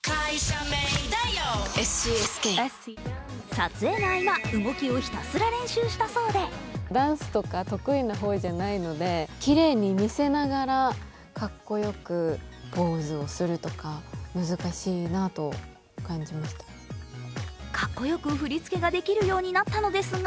撮影の合間、動きをひたすら練習したそうでかっこよく振り付けができるようになったのですが